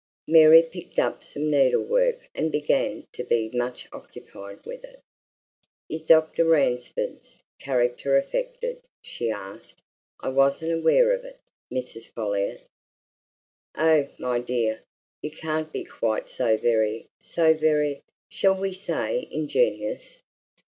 Mary picked up some needlework and began to be much occupied with it. "Is Dr. Ransford's character affected?" she asked. "I wasn't aware of it, Mrs. Folliot." "Oh, my dear, you can't be quite so very so very, shall we say ingenuous?